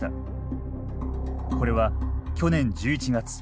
これは去年１１月。